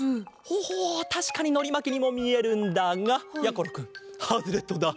ほほうたしかにのりまきにもみえるんだがやころくんハズレットだ。